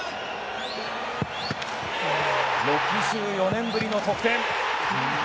６４年ぶりの得点。